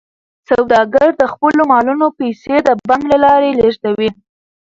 سوداګر د خپلو مالونو پیسې د بانک له لارې لیږدوي.